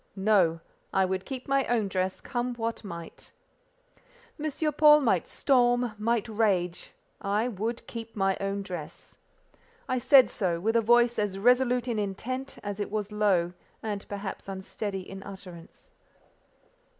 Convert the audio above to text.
_ No. I would keep my own dress, come what might. M. Paul might storm, might rage: I would keep my own dress. I said so, with a voice as resolute in intent, as it was low, and perhaps unsteady in utterance.